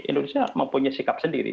indonesia mempunyai sikap sendiri